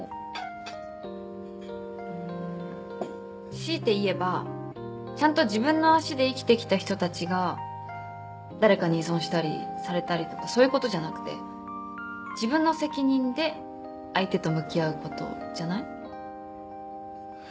強いて言えばちゃんと自分の足で生きてきた人たちが誰かに依存したりされたりとかそういうことじゃなくて自分の責任で相手と向き合うことじゃない？